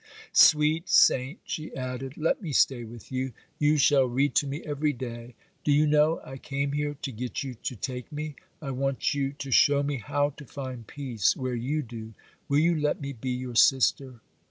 'Sweet saint,' she added, 'let me stay with you; you shall read to me every day; do you know I came here to get you to take me; I want you to show me how to find peace where you do; will you let me be your sister?